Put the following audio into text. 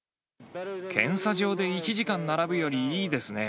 検査場で１時間並ぶよりいいですね。